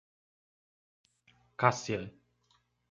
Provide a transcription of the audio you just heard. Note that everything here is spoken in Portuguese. Cássia